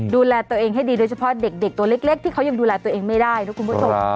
ดูแลตัวเองให้ดีโดยเฉพาะเด็กตัวเล็กที่เขายังดูแลตัวเองไม่ได้นะคุณผู้ชม